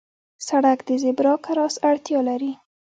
سړک د زېبرا کراس اړتیا لري.